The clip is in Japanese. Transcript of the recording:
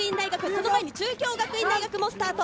その前に中京学院大学もスタート。